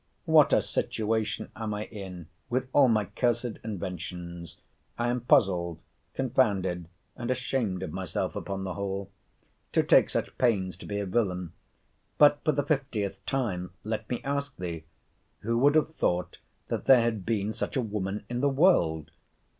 What a situation am I in, with all my cursed inventions! I am puzzled, confounded, and ashamed of myself, upon the whole. To take such pains to be a villain!—But (for the fiftieth time) let me ask thee, Who would have thought that there had been such a woman in the world?